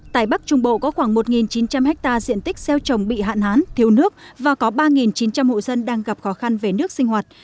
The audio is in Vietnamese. tại bắc trung bộ có khoảng một chín trăm linh hectare diện tích gieo trồng bị hạn hán thiếu nước và có ba chín trăm linh hộ dân đang gặp khó khăn về nước sinh hoạt